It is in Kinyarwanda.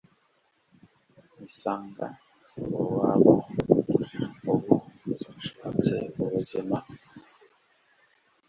isanga uruwabo ubu nashatse ubuzima (ubuzima